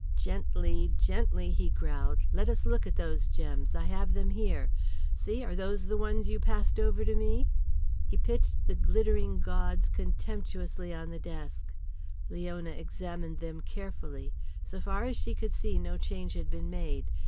"Gently, gently," he growled. "Let us look at those gems. I have them here. See, are those the ones you passed over to me?" He pitched the glittering gauds contemptuously on the desk. Leona examined them carefully So far as she could see no change had been made.